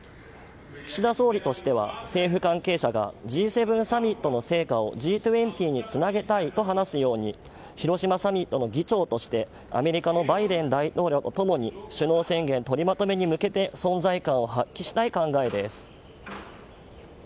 岸田総理としては政府関係者がＧ７サミットの成果をＧ２０につなげたいと話すように広島サミットの議長としてアメリカのバイデン大統領とともに首脳宣言取りまとめに向けて存在感を発揮したい考えです。